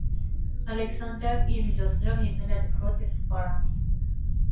Ալեքսանդրիայում իր միջոցներով հիմնել է դպրոց և տպարան։